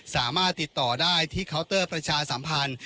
สามารถติดต่อได้ที่เคาน์เตอร์ประชาสัมพันธ์